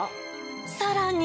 さらに。